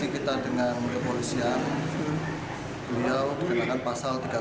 ini kita dengan polisian beliau dikenakan pasal tiga ratus dua kuap